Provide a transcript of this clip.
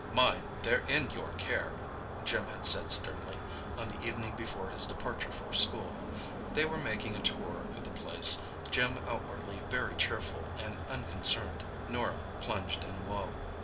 "Mind, they're in your care," Jim had said sternly, on the evening before his departure for school. They were making a tour of the place—Jim outwardly very cheerful and unconcerned; Norah plunged in woe.